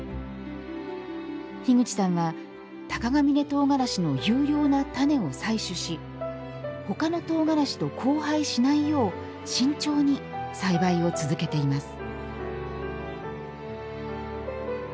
樋口さんは鷹峯とうがらしの優良な種を採取しほかのとうがらしと交配しないよう慎重に栽培を続けています。